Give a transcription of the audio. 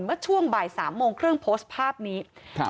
เมื่อช่วงบ่ายสามโมงครึ่งโพสต์ภาพนี้ครับ